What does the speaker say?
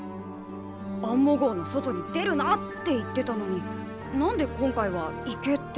アンモ号の外に出るなって言ってたのに何で今回は行けって言うんだ？